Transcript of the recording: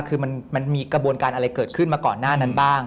คือมันมีกระบวนการอะไรเกิดขึ้นมาก่อนหน้านั้นบ้าง